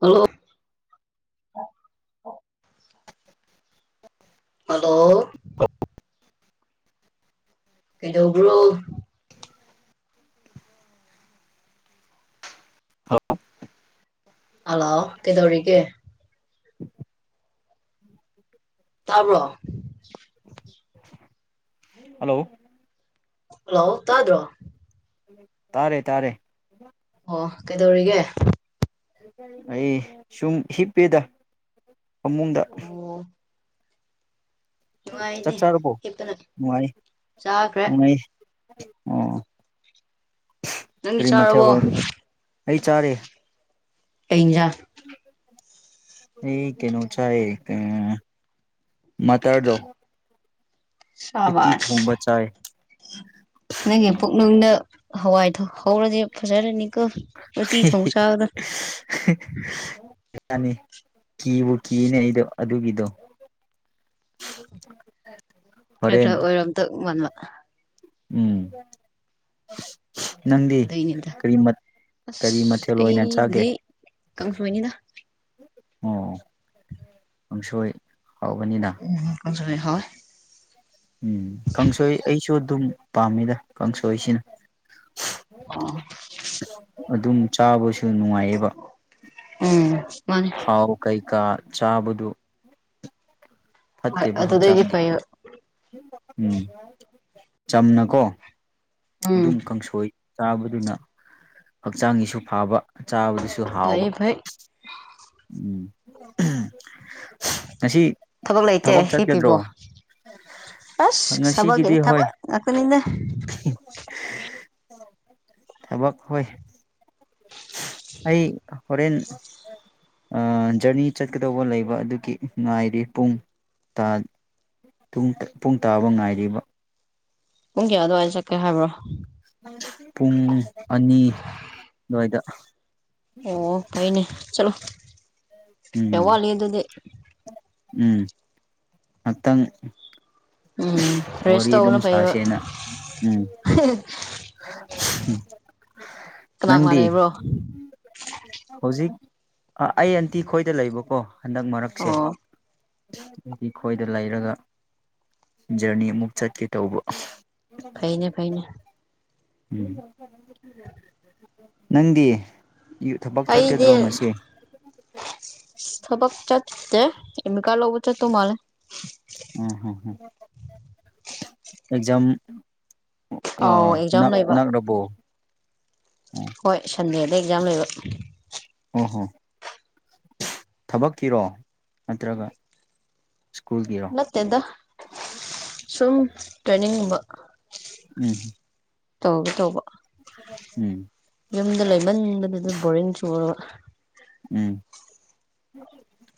Hello [inaudible] hello [inaudible] ꯀꯩꯗꯧꯕ꯭ꯔꯣ hello ꯀꯩꯗꯧꯔꯤꯒꯦ ꯇꯥꯕꯣ hello hello ꯇꯗ꯭ꯔꯣ ꯇꯥꯔꯦ ꯇꯥꯔꯦ ꯑꯣ ꯀꯩꯗꯧꯔꯤꯒꯦ ꯑꯩ ꯁꯨꯝ ꯍꯤꯞꯄꯦꯗ ꯐꯃꯨꯡꯗ ꯑꯣ ꯆꯥꯛ ꯅꯨꯡꯉꯥꯏꯅꯦ ꯆꯥꯔꯄꯣ ꯍꯤꯞꯄꯅ ꯅꯨꯡꯉꯥꯏ ꯆꯥꯈ꯭ꯔꯦ ꯅꯨꯡꯉꯥꯏ ꯑ ꯅꯪꯗꯤ ꯀꯔꯤꯃꯊ ꯆꯥꯔꯕꯣ ꯑꯩ ꯆꯥꯔꯦ ꯀꯩꯖꯥ ꯑꯩ ꯀꯅꯣ ꯆ ꯃꯗꯣ ꯁꯕꯉꯦ ꯄꯨꯛꯅꯅꯨꯡꯅ ꯍꯋꯥꯏꯗꯣ ꯍꯧꯔꯗꯤ ꯐꯖꯔꯅꯤ ꯀꯣ ꯎꯇꯤ ꯊꯣꯡ ꯁꯥꯕꯗ ꯅꯤ ꯀꯤꯕꯨ ꯀꯤꯅꯦ ꯑꯩꯗꯣ ꯑꯗꯨꯒꯤꯗꯣ ꯈ ꯈ ꯍꯣꯔꯦꯟ ꯑꯣꯏꯔꯣꯝꯇꯟ ꯑ ꯎꯝ ꯅꯪꯗꯤ ꯗꯅꯤꯗ ꯀꯔꯤ ꯀꯔꯤ ꯑꯁ ꯃꯊꯦꯜ ꯑꯣꯏꯅ ꯆꯥꯒꯦ ꯑꯩꯕꯨꯙ ꯀꯥꯎꯁꯨꯃꯅꯤꯗ ꯑꯣ ꯑꯨꯡꯁꯣꯏ ꯎꯝ ꯍꯥꯥ ꯎꯝ ꯈꯪꯁꯣꯏ ꯑꯩ ꯁꯨ ꯑꯗꯨꯝ ꯄꯥꯝꯃꯤꯗ ꯀꯥꯡꯁꯣꯏꯁꯤꯅ ꯑꯣ ꯑꯗꯨꯝ ꯆꯥꯕꯁꯨ ꯅꯨꯡꯉꯥꯏꯌꯦꯕ ꯎꯝ ꯃꯥꯅꯦ ꯍꯥꯎ ꯀꯩꯀꯥ ꯆꯥꯕꯗꯨ ꯍꯣꯏ ꯐꯠꯇꯦꯛ ꯑꯗꯨꯗꯩꯗꯤ ꯆꯥꯟꯗꯤ ꯐꯩꯌꯦꯕ ꯎꯝ ꯆꯝꯅꯀꯣ ꯎꯝ ꯑꯗꯨꯝ ꯀꯥꯡꯁꯣꯏ ꯆꯥꯕꯗꯨꯅ ꯍꯛꯆꯥꯡꯒꯤꯁꯨ ꯐꯥꯕ ꯆꯥꯕꯗꯨꯁꯨ ꯍꯥꯎꯕ ꯐꯩꯌꯦ ꯐꯩ ꯎꯝ ꯉꯁꯤ ꯊꯕꯛ ꯂꯩꯇꯦ ꯍꯤ ꯄꯤꯕꯣ ꯑꯁ ꯁꯕꯒꯤꯅꯦ ꯉꯁꯤꯒꯤꯗꯤ ꯍꯣꯏ ꯊꯕꯛ ꯉꯥꯛꯇꯅꯤꯅꯦ ꯊꯕꯛ ꯍꯣꯏ ꯑꯩ ꯍꯣꯔꯦꯟ ꯖꯔꯅꯤ ꯆꯠꯀꯗꯧꯕ ꯂꯩꯕ ꯑꯗꯨꯒꯤ ꯉꯥꯏꯔ ꯄꯨꯡ ꯄꯨꯡ ꯇꯥꯕ ꯉꯥꯏꯔꯤꯕ ꯍꯪ ꯌꯥꯗꯣ ꯋꯥꯏ ꯆꯀꯦ ꯍꯥꯏꯕ꯭ꯔꯣ ꯄꯨꯡ ꯑꯅꯤ ꯑꯗꯨꯋꯥꯏꯗ ꯑꯣ ꯐꯥꯏꯅꯦ ꯆꯂꯣ ꯍ ꯎꯝ ꯋꯥꯜ ꯌꯦ ꯑꯗꯨꯗꯤꯦ ꯎꯝ ꯉꯥꯇꯪ ꯎꯝ ꯔꯦꯁ ꯇꯧꯕꯅ ꯐꯩꯕ ꯎꯝ ꯀꯅꯥ ꯀꯅꯥ ꯅꯪꯗꯤ ꯂꯩꯕ꯭ꯔꯣ ꯍꯧꯖꯤꯛ ꯑꯩ ꯑꯟꯇꯤ ꯈꯣꯏꯗ ꯂꯩꯕꯀꯣ ꯍꯟꯗꯛ ꯃꯔꯛꯁꯦ ꯑꯣ ꯑꯩꯗꯤ ꯈꯣꯏꯗ ꯂꯩꯔꯒ ꯖꯔꯅꯤ ꯑꯃꯨꯛ ꯆꯠꯀꯦ ꯇꯧꯕ ꯐꯩꯅꯦ ꯐꯩꯅꯦ ꯅꯪꯗꯤ ꯊꯕꯛ ꯑꯩꯗꯤ ꯆꯠꯀꯗ꯭ꯔꯣ ꯉꯁꯤ ꯁꯕꯥꯛ ꯆꯇꯦ ꯏꯃꯤ ꯀꯥ ꯂꯧꯕ ꯆꯦ ꯇꯣ ꯃꯥꯔ ꯎꯝ ꯎꯝ ꯎꯝ ꯑꯦꯛꯖꯥꯝ ꯑꯥꯎ ꯑꯦꯛꯖꯥꯝ ꯂꯩꯕ ꯅꯛꯔꯕꯣ ꯑꯣ ꯍꯣꯏ ꯁꯟꯗꯦꯗ ꯑꯦꯛꯖꯥꯝ ꯂꯩꯕ [inaudible] ꯑꯣ ꯍꯣ ꯊꯕꯛꯀꯤꯔꯣ ꯅꯠꯇ꯭ꯔꯒ ꯁ꯭ꯀꯨꯜꯒꯤꯔꯣ ꯅꯠꯇꯦꯗ ꯁꯨꯝ ꯇ꯭ꯔꯦꯅꯤꯡꯒꯨꯝꯕ ꯎꯝ ꯇꯧꯒꯦ ꯇꯧꯕ ꯎꯝ ꯌꯨꯝꯗ ꯂꯩꯃꯟꯕꯗꯨꯗꯤ ꯕꯣꯔꯤꯡ ꯆꯨꯔꯕ ꯎꯝ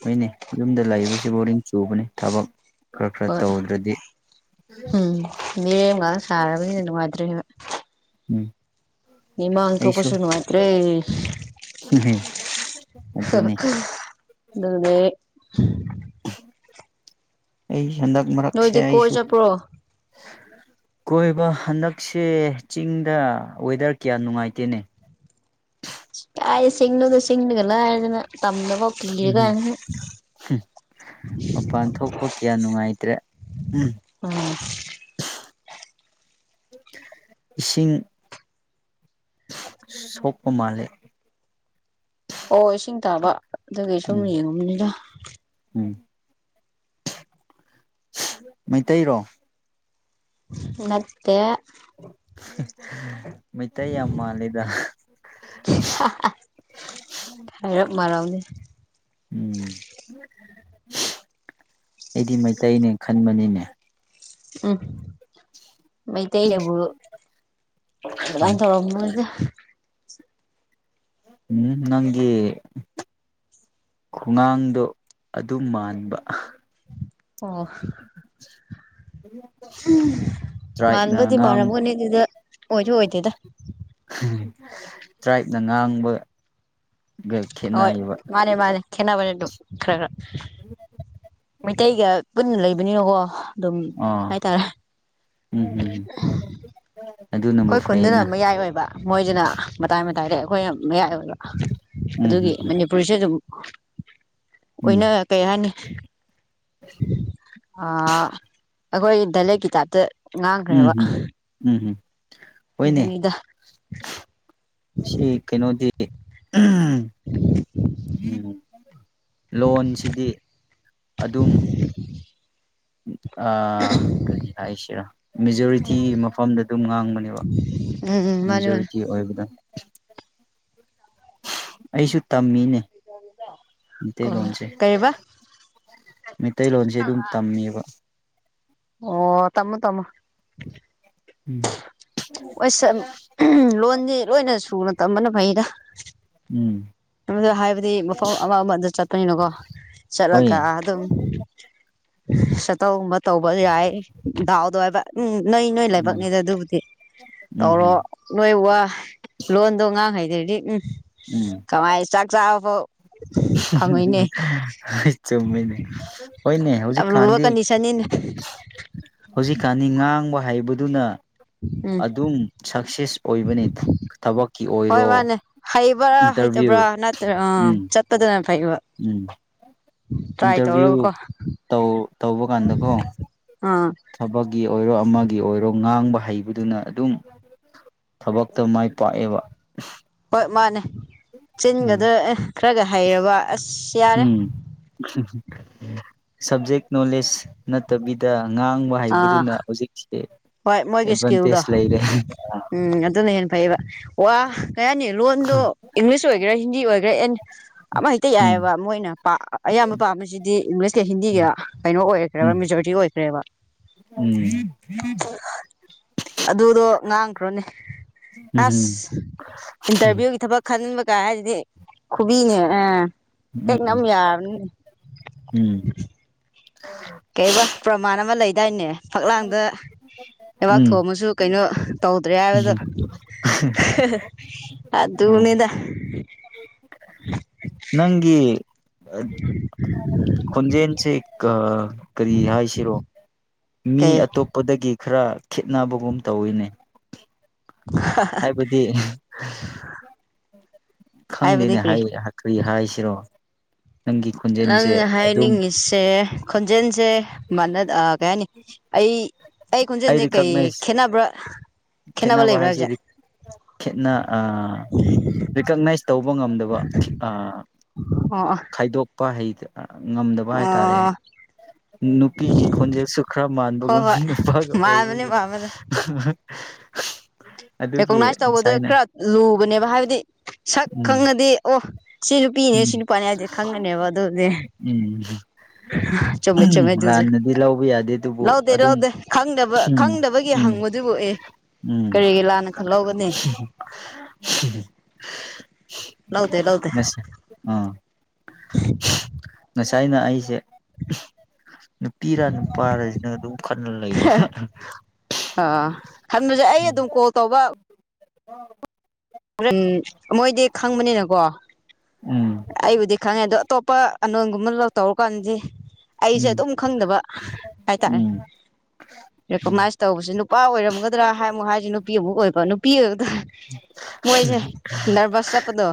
ꯍꯣꯏꯅꯦ ꯌꯨꯝꯗ ꯂꯩꯕꯁꯤ ꯕꯣꯔꯤꯡ ꯆꯨꯕꯅꯤ ꯊꯕꯛ ꯈꯔ ꯈꯔ ꯍꯣꯏ ꯇꯧꯗ꯭ꯔꯗꯤ ꯎꯝ ꯃꯤꯔꯦꯝꯒ ꯁꯥꯔꯕꯅꯤꯅ ꯅꯨꯡꯉꯥꯏꯇ꯭ꯔꯦ ꯎꯝ ꯅꯤꯡꯃꯜ ꯊꯀꯣꯁꯤꯅꯋꯥꯇ꯭ꯔꯦ [unintelligible] ꯍꯝ ꯍꯝ ꯑꯗꯨꯅꯦ ꯎꯝ ꯑꯩ ꯍꯟꯗꯛ ꯃꯔꯛꯁ ꯅꯣꯏꯗꯤ ꯀꯣꯏ ꯑꯁꯨ ꯆꯠꯄ꯭ꯔꯣ ꯀꯣꯏꯕ ꯍꯟꯗꯛꯁꯦ ꯆꯤꯡꯗ ꯋꯦꯗꯔ ꯀꯌꯥ ꯅꯨꯡꯉꯥꯏꯇꯦꯅꯦ ꯀꯥꯏ ꯁꯤꯡꯤꯡꯅꯒ ꯁꯤꯦꯡꯤꯡꯒꯂꯗꯅ ꯎꯝ ꯃꯄꯥꯟ ꯊꯣꯛꯄ ꯀꯌꯥ ꯅꯨꯡꯉꯥꯏꯇ꯭ꯔꯦ ꯎꯝ [unintelligible] ꯏꯁꯤꯡ ꯁꯣꯛꯄ ꯃꯥꯜꯂꯦ ꯑꯣ ꯏꯁꯤꯡ ꯇꯥꯕ ꯑꯗꯨ ꯎꯝ ꯀꯩꯁꯨꯅꯤꯒꯨꯝꯅꯤꯗ ꯎꯝ ꯃꯩꯇꯩꯔꯣ ꯅꯠꯇ‌ꯦ ꯃꯩꯇꯩ ꯌꯥꯝ ꯃꯥꯜꯂꯤꯗ ꯍꯥꯏꯔꯞ ꯃꯥꯜꯂꯝꯅꯤ ꯎꯝ ꯑꯩꯗꯤ ꯃꯩꯇꯩꯅꯦ ꯈꯟꯕꯅꯤꯅꯦ ꯎꯝ ꯃꯩꯇꯩꯗꯕꯨ ꯑꯗꯨꯃꯥꯏꯅ ꯇꯧꯔ ꯃꯗ ꯎꯝ ꯅꯪꯒꯤ ꯈꯒꯥꯡꯗꯣ ꯑꯗꯨꯝ ꯃꯥꯟꯕ ꯑꯣ ꯇ꯭ꯔꯥꯏꯞꯅ ꯃꯥꯟꯕꯗꯤ ꯉꯥꯡ ꯃꯔꯝꯒꯅꯤ ꯑꯗꯨꯗ ꯑꯣꯏꯗ ꯑꯣꯏꯗꯦꯗ ꯇ꯭ꯔꯥꯏꯕꯅ ꯉꯥꯡꯕ ꯍꯣꯏ ꯃꯥꯅꯦ ꯃꯥꯅꯦ ꯈꯦꯅꯥꯕꯔꯦ ꯑꯗꯨ ꯈꯔ ꯈꯔ ꯃꯩꯇꯩꯩꯒ ꯄꯨꯟꯅ ꯂꯩ ꯑꯗꯨꯀꯣ [inaudible] ꯑꯗꯨꯝ ꯑꯥ ꯍꯥꯏꯇꯥꯔꯦ ꯎꯝ ꯎꯝ ꯑꯗꯨꯅꯕꯨ ꯑꯩꯈꯣꯏ ꯈꯨꯟꯗꯨꯅ ꯐꯩꯅ ꯑꯃꯛꯌꯥꯏ ꯑꯣꯏꯕ ꯃꯣꯏꯁꯤꯅ ꯃꯇꯥꯏ ꯃꯇꯥꯏꯗ ꯑꯩꯈꯣꯏꯅ ꯃꯌꯥꯏ ꯑꯣꯏꯕ ꯎꯝ ꯑꯗꯨꯒꯤ ꯎꯝ ꯃꯅꯤꯄꯨꯔꯤꯁꯨꯦ ꯑꯗꯨꯝ ꯎꯝ ꯎꯝ ꯑꯣꯏꯅ ꯀꯩ ꯍꯥꯏꯅꯤ ꯑ ꯑꯩꯈꯣꯏ ꯗꯂꯦꯛꯀꯤꯇꯥꯥꯞꯇ ꯎꯝ ꯎꯝ ꯎꯝꯝ ꯍꯣꯏꯅꯦ ꯑꯗꯨꯅꯤꯗ ꯁꯤ ꯀꯩꯅꯣꯗꯤ ꯎꯝ [inaudible] ꯎꯝ ꯂꯣꯟꯁꯤꯗꯤ ꯑꯗꯨꯝ ꯑꯥ ꯀꯔꯤ ꯍꯥꯏꯁꯤꯔꯥ ꯃꯦꯖꯣꯔꯤꯇꯤ ꯃꯐꯝꯗ ꯑꯗꯨꯝ ꯉꯥꯡꯕꯅꯦꯕ ꯎꯝ ꯃꯥꯅꯤ ꯃꯥꯅꯤ ꯃꯦꯖꯣꯔꯤꯇꯤ ꯑꯣꯏꯕꯗ ꯑꯩꯁꯨ ꯇꯝꯃꯤꯅꯦ ꯑꯗꯨꯗꯦ [inaudible] ꯑꯣ ꯃꯩꯇꯩꯂꯣꯟꯁꯦ ꯀꯩꯕꯥ ꯃꯩꯇꯩꯂꯣꯟꯁꯦ ꯑꯗꯨꯝ ꯇꯝꯃꯦꯕ ꯑꯣ ꯇꯝꯃꯣ ꯇꯥꯝꯃꯣ ꯎꯝ ꯍ ꯁ ꯂꯣꯟꯁ ꯂꯣꯏꯅ ꯁꯨꯅ ꯇꯝꯕꯅ ꯐꯩ [inaudible] ꯑ ꯎꯝ ꯑꯗꯨ ꯍꯥꯏꯕꯗꯤ ꯃꯐꯝ ꯑꯃ ꯑꯃꯗ ꯆꯠꯄꯅꯤꯅꯀꯣ ꯆꯠꯂꯒ ꯍꯣꯏ ꯑꯗꯨꯝ ꯁꯠꯇꯧꯒꯨꯝꯕ ꯇꯧꯕ ꯌꯥꯏ ꯗꯥꯎꯗꯣ ꯍꯥꯏꯕ ꯎꯝ ꯅꯣꯏ ꯅꯣꯏ ꯎꯝ ꯂꯥꯏꯕꯛꯅꯤꯗ ꯑꯗꯨꯕꯨꯗꯤ ꯎꯝ ꯇꯧꯔꯣ ꯎꯝ ꯅꯣꯏ ꯋꯥ ꯂꯣꯟꯗꯣ ꯉꯥꯡꯍꯩꯗ꯭ꯔꯗꯤ ꯀꯃꯥꯏ ꯆꯥꯛ ꯆꯥꯕꯕꯣ ꯑꯩ ꯆꯨꯝꯃꯤꯅꯦ ꯌꯥꯝ ꯂꯨꯕ ꯍꯧꯖꯤꯛꯀꯥꯟꯗꯤ ꯀꯟꯗꯤꯁꯟꯅꯤꯅꯦ ꯍꯧꯖꯤꯛꯀꯗꯤ ꯉꯥꯡ ꯍꯥꯏꯕꯗꯨꯅ ꯎꯝ ꯑꯗꯨꯝ ꯁꯛꯁꯦꯁ ꯑꯣꯏꯕꯅꯤ ꯊꯕꯛꯀꯤ ꯑꯣꯏꯔꯣ ꯭ꯔꯥ ꯏꯟꯇꯔꯚꯤꯌꯨ ꯍꯩꯇꯕ꯭ꯔꯥ ꯅꯠꯇ꯭ꯔꯥ ꯑ ꯎꯝ ꯆꯠꯄꯗꯅ ꯎꯝ ꯇ꯭ꯔꯥꯏ ꯏꯟꯇꯔꯚꯤꯌꯨ ꯇꯧꯔꯒꯀꯣ ꯇꯧ ꯇꯧꯕ ꯀꯥꯟꯗꯀꯣ ꯑꯥ ꯊꯕꯛꯀꯤ ꯑꯣꯏꯔꯣ ꯑꯃꯒꯤ ꯑꯣꯏꯔꯣ ꯉꯥꯡꯕ ꯍꯩꯕꯗꯨꯅ ꯑꯗꯨꯝ ꯊꯕꯛꯇ ꯃꯥꯏ ꯄꯥꯛꯑꯦꯕ ꯍꯣꯏ ꯃꯥꯅꯦ ꯎꯝ ꯆꯅꯤꯡꯒꯗ ꯈꯔꯒ ꯍꯩꯔꯕ ꯑꯁ ꯎꯝ ꯁꯕꯖꯦꯛ ꯅꯣꯂꯦꯖ ꯅꯠꯇꯕꯤꯗ ꯉꯥꯡꯕ ꯑꯥ ꯍꯩꯕꯗꯨꯅ ꯍꯧꯖꯤꯛꯁꯦ ꯍꯣꯏ ꯃꯣꯏꯒꯤ ꯏꯁꯀꯤꯜꯗꯣ ꯑꯦꯗꯚꯥꯟꯇꯦꯖ ꯂꯩꯔꯦ ꯎꯝ ꯑꯗꯨꯅ ꯍꯦꯟꯅ ꯐꯩꯌꯦꯕ ꯋꯥ ꯀꯌꯥꯅꯤ ꯂꯣꯟꯗꯣ ꯏꯪꯂꯤꯁ ꯑꯣꯏꯒꯦꯔꯥ ꯍꯤꯟꯗꯤ ꯑꯣꯏꯒꯦꯔꯥ ꯑꯦꯟ ꯑꯃ ꯍꯦꯛꯇ ꯎꯝ ꯌꯥꯏꯑꯕ ꯃꯣꯏꯅ ꯑꯌꯥꯝꯕ ꯄꯥꯝꯕꯁꯤꯗꯤ ꯏꯪꯂꯤꯁꯀ ꯍꯤꯟꯗꯤꯒ ꯀꯩꯅꯣ ꯎꯝ ꯑꯣꯏꯈ꯭ꯔꯦꯕ ꯃꯦꯖꯣꯔꯤꯇꯤ ꯑꯣꯏꯈ꯭ꯔꯦꯕ ꯎꯝ ꯑꯗꯨꯗꯣ ꯉꯥꯡꯈ꯭ꯔꯣꯅꯦ ꯎꯝ ꯑꯁ ꯏꯟꯇꯔꯚꯤꯌꯨꯒꯤ ꯊꯕꯛ ꯈꯟꯅꯤꯡꯕ ꯀꯥꯏ ꯍꯥꯏꯁꯤꯗꯤ ꯈꯨꯕꯤ ꯑ ꯍꯦꯛ ꯉꯝꯃꯦꯌꯥꯝ ꯑꯗꯨ ꯀꯩꯧꯕ ꯄ꯭ꯔꯃꯥꯟ ꯑꯃ ꯂꯩꯗꯥꯏꯅꯦ ꯐꯛꯂꯥꯡꯗ ꯂꯩꯕꯥꯛ ꯎꯝ ꯊꯣꯡꯃꯁꯨ ꯀꯩꯅꯣ ꯇꯧꯗ꯭ꯔꯦ ꯍꯥꯏꯕꯗꯣ ꯎꯝ ꯑꯗꯨꯅꯤꯅ ꯅꯪꯒꯤ ꯈꯨꯣꯟꯖꯟꯁꯦ ꯀꯔꯤ ꯍꯥꯏꯁꯤꯔꯣ ꯃꯤ ꯀꯩ ꯑꯇꯣꯞꯄꯗꯒꯤ ꯈꯔ ꯈꯈꯤꯠꯅꯕꯒꯨꯝ ꯇꯧꯏꯤꯅꯦ ꯍꯥꯏꯕꯗꯤ ꯍꯥꯏꯕꯗꯤ ꯈꯪꯗꯦꯅꯦ ꯀꯔꯤ ꯀ꯭ꯔꯤ ꯍꯥꯏꯁꯤꯔꯣ ꯅꯪꯒꯤ ꯅꯪ ꯈꯣꯟꯖꯦꯜꯁꯦ ꯑꯗꯨꯝ ꯍꯥꯏꯅꯤꯡꯉꯁꯦ ꯈꯣꯟꯖꯦꯜꯁꯦ ꯃꯅ ꯑ ꯀꯩꯅꯤ ꯑꯩ ꯑꯩ ꯈꯨꯨꯟꯖꯦꯟꯖꯦ ꯀꯩ ꯈꯦꯅꯥꯕ꯭ꯔꯥ ꯈꯦꯅꯕ ꯍꯥꯏꯁꯤꯦ ꯈꯦꯅ ꯔꯤꯀꯛꯅꯥꯏꯁ ꯇꯧꯕ ꯉꯝꯗꯕ ꯑꯣ ꯈꯥꯏꯗꯣꯛꯄ ꯍꯩꯗ ꯉꯝꯗꯕ ꯑꯣ ꯍꯥꯏꯇꯥꯔꯦ ꯑꯣ ꯅꯨꯄꯤꯒꯤ ꯈꯣꯟꯖꯦꯜꯁꯨ ꯈꯔ ꯍꯣꯏ ꯃꯥꯟꯕꯒꯨꯝ ꯍꯣꯏ ꯅꯨꯄꯥꯒ ꯃꯥꯟꯕꯅꯦ ꯑꯣꯏꯕꯒꯨꯝ ꯃꯥꯟꯕꯅꯦ ꯑꯗꯨꯒꯤ ꯔꯦꯀꯣꯛꯅꯥꯏꯁ ꯇꯧꯕꯗ ꯉꯁꯥꯏꯅ ꯈꯔ ꯂꯨꯕꯅꯦꯕ ꯍꯥꯏꯕꯗꯤ ꯁꯛ ꯎꯝ ꯈꯪꯉꯗꯤ ꯑꯣ ꯁꯤ ꯅꯨꯄꯤꯅꯦ ꯎꯝ ꯁꯤ ꯅꯨꯄꯥꯅꯤ ꯍꯥꯏꯗꯤ ꯈꯪꯉꯅꯦꯕ ꯑꯗꯨꯗꯤ ꯎꯝ ꯆꯨꯝꯃꯦꯩ ꯎꯝ ꯆꯨꯝꯃꯦ ꯑꯗꯨꯁꯨ ꯂꯥꯟꯅꯗꯤ ꯂꯧꯕ ꯌꯥꯗꯦ ꯑꯗꯨꯕꯨ ꯂꯧꯗꯦ ꯑꯗꯨꯝ ꯂꯧꯗꯦ ꯈꯪꯗꯕ ꯎꯝ ꯈꯪꯗꯕꯒꯤ ꯎꯝ ꯍꯪꯕꯗꯨꯕꯨꯣꯛꯏ ꯀꯔꯤꯒꯤ ꯂꯥꯟ ꯍꯝ ꯍ ꯂꯧꯗꯦ ꯂꯧꯗꯦ [inaudible] ꯑ ꯉꯁꯥꯏꯅ ꯑꯩꯁꯦ ꯅꯨꯄꯤꯔ ꯅꯨꯄꯥꯔꯁꯤꯅ ꯑꯗꯨꯝ ꯀꯟꯅ ꯂꯩꯕ ꯑꯥ ꯈꯟꯕꯁꯦ ꯑꯩ ꯎꯝ ꯎ ꯑꯗꯨꯝ ꯀꯣꯜ ꯎꯝ ꯃꯣꯏꯗꯤ ꯈꯪꯕꯅꯤꯅꯀꯣ ꯎꯝ ꯑꯩꯕꯨꯗꯤ ꯈꯪꯉꯦ ꯑꯗꯣ ꯑꯇꯣꯞꯄ ꯑꯅꯣꯟꯒꯨꯝꯕ ꯂ ꯇꯧꯔꯨ ꯀꯥꯟꯁꯤꯦ ꯑꯩꯁꯦ ꯎꯝ ꯑꯗꯨꯝ ꯈꯪꯗꯕ ꯍꯥꯏꯇꯥꯔꯦ ꯎꯝ ꯎꯝ ꯔꯦꯀꯣꯛꯅꯥꯏꯁ ꯇꯧꯕꯁꯦ ꯅꯨꯄꯥ ꯑꯣꯏꯔꯝꯒꯗ꯭ꯔꯥ ꯍꯥꯏꯃꯨꯛ ꯍꯥꯏꯁꯦ ꯅꯨꯄꯤ ꯑꯃꯨꯛ ꯑꯣꯏꯕ ꯅꯨꯄꯤ ꯑꯣꯏꯕꯗ ꯃꯣꯏꯁꯦ ꯅꯔꯚꯁ ꯆꯠꯄꯗꯣ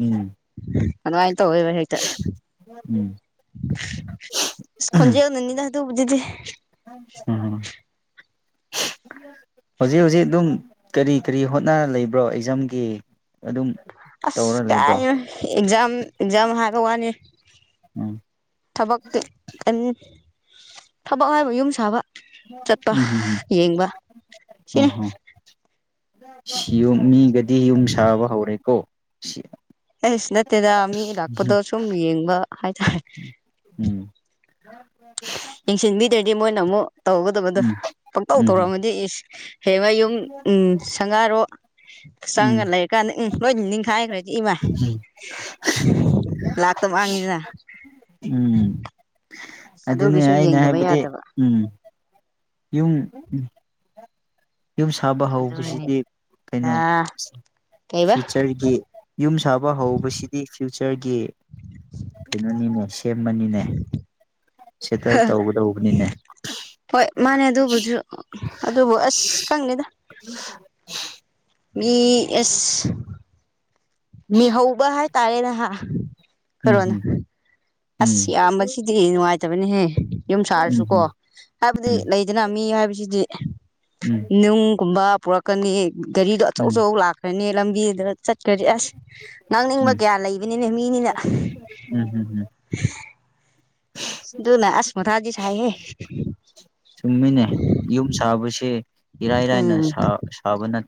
ꯎꯝ ꯑꯗꯨꯃꯥꯏꯅ ꯇꯧꯋꯦꯕ ꯍꯦꯛꯇ ꯎꯝ ꯈꯣꯟꯖꯦꯅꯅꯤꯗ ꯎꯕꯖꯗꯤ ꯎꯝ ꯍꯧꯖꯤꯛ ꯍꯧꯖꯤꯛ ꯑꯗꯨꯝ ꯀꯔꯤ ꯀꯔꯤ ꯍꯣꯠꯅ ꯂꯩꯕ꯭ꯔꯣ ꯑꯦꯛꯖꯥꯝꯒꯤ ꯑꯗꯨꯝ ꯑꯁ ꯇꯧꯔ ꯂꯩꯕ꯭ꯔꯣ ꯀꯥꯏ ꯑꯦꯖꯝꯖꯝ ꯍꯥ ꯔꯅꯤ ꯎꯝ ꯊꯕꯛꯇ ꯑ ꯊꯕꯛ ꯍꯥꯏꯕ ꯌꯨꯝ ꯁꯥꯕ ꯆꯠꯄ ꯎꯝ ꯎꯝ ꯌꯦꯡꯕ ꯁꯤꯅꯤ ꯎꯝ ꯎꯝꯝꯨꯝ ꯃꯤꯒꯗꯤ ꯌꯨꯝ ꯁꯥꯕ ꯍꯧꯔꯦꯀꯣ ꯁꯤ ꯑꯩꯁꯨ ꯅꯠꯇꯦꯗ ꯃꯤ ꯂꯥꯛꯄꯗꯣ ꯁꯨꯝ ꯌꯦꯡꯕ ꯍꯥꯏ ꯎꯝ ꯌꯦꯡꯁꯤꯟꯕꯤꯗ꯭ꯔꯗꯤ ꯃꯣꯏꯅ ꯑꯃꯨꯛ ꯇꯧꯒ ꯑꯗꯨꯗ ꯎꯝ ꯄꯪꯇꯧ ꯎꯝ ꯇꯧꯔꯛꯑꯃꯗꯤ [inaudible] ꯍꯦꯃꯌꯨꯝ ꯎꯝ ꯁꯪꯒꯥꯔꯣ ꯆꯡꯒ ꯎꯝ ꯂꯩꯔꯀꯥꯟꯗ ꯎꯝ ꯂꯣꯏ ꯅꯤꯡꯈꯥꯏꯈ꯭ꯔꯦꯗꯤ ꯏꯃ ꯂꯥꯛꯇꯕ ꯃꯥꯡꯉꯤꯁꯤꯅ ꯑꯗꯨꯅꯤ ꯑꯩꯅ ꯍꯥꯏꯕꯗꯤ ꯎꯝ ꯌꯨꯡ ꯎꯝ [inaudible] ꯌꯨꯝ ꯁꯥꯕ ꯍꯧꯕꯁꯤꯗꯤ ꯑꯗꯨꯅꯤꯗ ꯀꯩꯅꯣ ꯀꯩꯕ ꯐ꯭ꯌꯨꯆꯔꯒꯤ ꯌꯨꯝ ꯁꯥꯕ ꯍꯧꯕꯁꯤꯗꯤ ꯐꯨ ꯐ꯭ꯌꯆꯔꯒꯤ ꯀꯩꯅꯣꯅꯤꯅꯦ ꯀꯦꯝꯃꯅꯤꯅꯦ ꯁꯦꯇꯜ ꯇꯧꯒꯗꯧꯕꯅꯤꯅꯦ ꯍꯣꯏ ꯃꯥꯅꯦ ꯑꯗꯨꯕꯨꯁꯨ ꯑꯗꯨꯕꯨ ꯑꯁ ꯈꯉꯗꯦꯗꯥ ꯃꯤ ꯑꯦꯁ ꯃꯤ ꯍꯧꯕ ꯍꯥꯏ ꯇꯥꯔꯦꯅꯍꯥ ꯀꯔꯣꯅ ꯎꯝ ꯎꯝ ꯑꯁ ꯌꯥꯝꯕꯁꯤꯗꯤ ꯅꯨꯡꯉꯥꯏꯇꯕꯅꯤꯍꯦ ꯌꯨꯝ ꯎꯝ ꯁꯥꯔꯁꯨꯀꯣ ꯍꯥꯏꯕꯗꯤ ꯎꯝ ꯎꯝ ꯂꯩꯗꯅ ꯃꯤ ꯍꯥꯏꯕꯁꯤꯗꯤ ꯎꯝ ꯎꯝ ꯅꯤꯡ ꯒꯨꯝꯕꯥ ꯄꯨꯔꯛ ꯀꯅꯤ ꯒꯥꯔꯤꯗꯣ ꯑꯆꯧ ꯎꯝ ꯑꯆꯧ ꯂꯥꯛꯈ꯭ꯔꯦꯅꯦ ꯂꯝꯒꯤꯗꯥꯏ ꯆꯠꯈ꯭ꯔꯗꯤ ꯑꯁ ꯎꯝ ꯉꯥꯡꯅꯤꯡꯕ ꯀꯌꯥ ꯂꯩꯕꯅꯤꯅꯦ ꯃꯤꯅꯤꯅ [inaudible] ꯎꯝ ꯎꯝ ꯎꯝ ꯑꯗꯨꯗꯨꯅ ꯑꯁ ꯃꯥꯊꯥꯗꯤꯁꯥꯏꯍꯦ [inaudible] ꯆꯨꯝꯃꯤꯅꯦ ꯌꯨꯝ ꯁꯥꯕꯁꯦ ꯏꯔꯥꯏꯔꯥꯏꯅ ꯎꯝ ꯁꯥꯕ ꯁꯥꯕꯅꯠ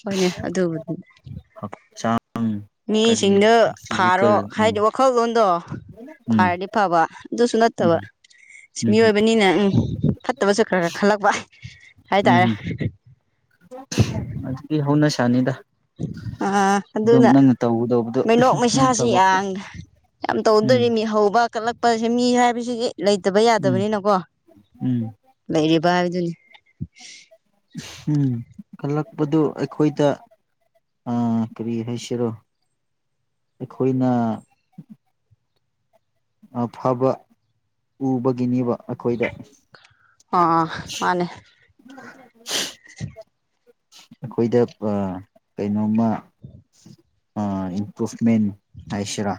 ꯍꯣꯏꯅꯦ ꯑꯗꯨꯕꯨꯗꯤ ꯍꯛꯆꯥꯡ ꯀꯔꯤ ꯃꯤꯁꯤꯡꯗ ꯐꯥꯔꯣ ꯐꯤꯖꯤꯀꯦꯜ ꯎꯝ ꯍꯥꯏꯗꯪ ꯈꯜꯂꯣꯟꯗꯣ ꯎꯝ ꯐꯔꯗꯤ ꯐꯕ ꯑꯗꯨꯁꯨ ꯅꯠꯇꯕ ꯎꯝ ꯎꯝ ꯃꯤꯑꯣꯏꯕꯅꯤꯅ ꯐꯠꯇꯕꯁꯨ ꯈꯔ ꯈꯔ ꯈꯜꯂꯛꯄ ꯍꯥꯏꯇꯥꯔꯦ ꯑꯗꯨꯗꯤ ꯍꯧꯅꯁꯅꯤꯗ ꯑꯥ ꯑꯗꯨꯅ ꯇꯧꯒꯗꯧꯕꯗꯣ ꯃꯤꯅꯣꯛ ꯅꯪ ꯃꯩꯁꯥꯁꯤ ꯊꯕꯛꯇꯣ ꯌꯥꯝ ꯌꯥꯝꯅ ꯎꯝ ꯇꯧꯗꯣꯔꯤꯅꯦ ꯍꯧꯕ ꯀꯠꯂꯛꯄꯁꯤ ꯃꯤ ꯍꯥꯏꯕꯁꯤꯗꯤ ꯂꯩꯇꯕ ꯎꯝ ꯌꯥꯗꯕꯅꯤꯅꯀꯣ ꯎꯝ ꯂꯩꯔꯤꯕ ꯍꯥꯏꯕꯗꯨꯅꯤ꯫ [unintelligible] ꯎꯝ ꯀꯜꯂꯛ ꯄꯗꯨ ꯑꯩꯈꯣꯏꯗ ꯎꯝ ꯀꯔꯤ ꯍꯥꯏꯁꯤꯔꯥ ꯑꯩꯈꯣꯏꯅ ꯑꯐꯕ ꯎꯕꯒꯤꯅꯤꯕ ꯑꯩꯈꯣꯏꯗ ꯑ ꯃꯥꯅꯦ꯫ ꯑꯩꯈꯣꯏꯗ ꯑ ꯀꯩꯅꯣꯝꯃ ꯑ ꯏꯝꯐ꯭ꯔꯣꯁꯃꯦꯟ ꯍꯥꯏꯁꯤꯔꯥ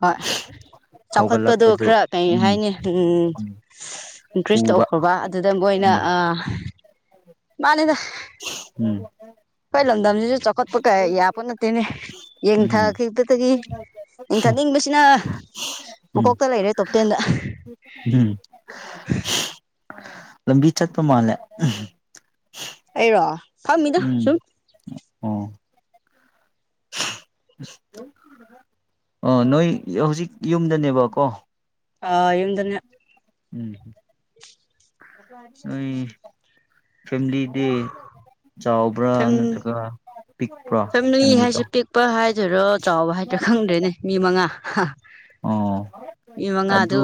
ꯍꯣꯏ ꯆꯥꯎꯈꯠꯄꯗꯨ ꯍꯧꯒꯠꯂꯛꯄꯗꯨ ꯈꯔ ꯀꯩ ꯎꯝ ꯍꯥꯏꯅꯤ ꯎꯝ ꯏꯟꯀ꯭ꯔꯤꯖ ꯎꯝ ꯎꯕ ꯇꯧꯈ꯭ꯔꯕ ꯑꯗꯨꯗ ꯃꯣꯏꯅ ꯎꯝ ꯑ ꯃꯥꯅꯤꯗ ꯎꯝ ꯀꯩ ꯂꯝ [unintelligible] ꯆꯥꯎꯈꯠꯄ ꯀꯌꯥ ꯌꯥꯕ ꯅꯠꯇꯦꯅꯦ ꯎꯝ ꯌꯦꯡꯊꯈꯤꯕꯗꯒꯤ ꯌꯦꯡꯊꯅꯤꯡꯕꯁꯤꯅ ꯎꯝ ꯃꯀꯣꯛꯇ ꯂꯩꯔꯦ ꯇꯣꯞꯇꯦꯟꯗ꯫ ꯎꯝ ꯂꯝꯕꯤ ꯆꯠꯄ ꯃꯥꯜꯂꯦ꯫ ꯑꯩꯔꯣ꯫ ꯐꯝꯃꯤꯗ ꯁꯨꯝ꯫ ꯎꯝ꯫ ꯑ ꯅꯣꯏ ꯍꯧꯖꯤꯛ ꯌꯨꯝꯗꯅꯦꯕꯀꯣ꯫ ꯑ ꯌꯨꯝꯗꯅꯦ꯫ ꯎꯝꯝ꯫ [unintelligible] ꯐꯦꯝꯂꯤꯗꯤ ꯆꯥꯎꯕ꯭ꯔꯥ ꯐꯤꯝ ꯅꯠꯇ꯭ꯔꯒ ꯄꯤꯛꯄ꯭ꯔꯣ ꯐꯦꯝꯂꯤꯗꯣ꯫ [unintelligible] ꯔꯣ ꯆꯥꯎꯕ ꯍꯥꯏꯗꯣ ꯈꯪꯗ꯭ꯔꯦꯅꯦ ꯃꯤ ꯃꯉꯥ ꯍ ꯑꯣ ꯃꯤ ꯃꯉꯥꯗꯨ ꯑꯗꯨ